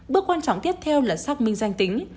bước quan trọng tiếp theo là xác minh danh tính